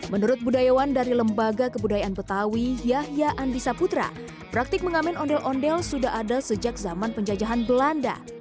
menurut budayawan dari lembaga kebudayaan betawi yahya andisa putra praktik mengamen ondel ondel sudah ada sejak zaman penjajahan belanda